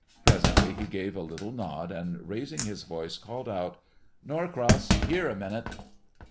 Presently he gave a little nod, and raising his voice, called out, "Norcross, here a minute!"